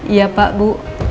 iya pak bu